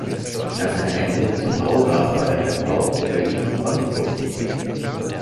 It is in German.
Nach seiner Ernennung zum Baurat war er bei Bauten in Berlin und Brandenburg tätig.